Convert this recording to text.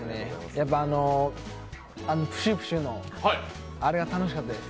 やっぱプシュプシュのあれが楽しかったです。